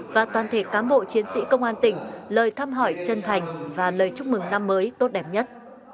và toàn thể cán bộ chiến sĩ công an tỉnh lời thăm hỏi chân thành và lời chúc mừng năm mới tốt đẹp nhất